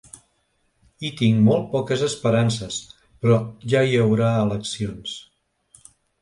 Hi tinc molt poques esperances, però ja hi haurà eleccions.